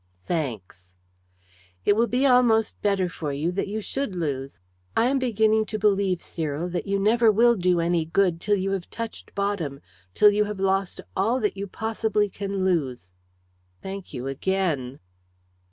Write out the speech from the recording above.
"Thanks." "It will be almost better for you that you should lose. I am beginning to believe, Cyril, that you never will do any good till you have touched bottom, till you have lost all that you possibly can lose." "Thank you, again."